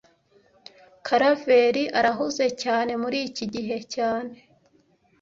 Karaveri arahuze cyane muriki gihe cyane